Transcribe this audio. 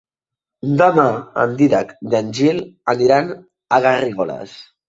Demà en Dídac i en Gil aniran a Garrigoles.